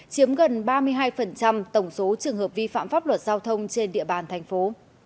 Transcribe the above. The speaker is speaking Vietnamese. chiếm gần ba mươi hai tổng số trường hợp vi phạm pháp luật giao thông trên địa bàn thành phố